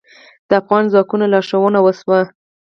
د افغان ځواکونو لارښوونه وشوه.